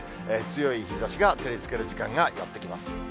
強い日ざしが照りつける時間がやって来ます。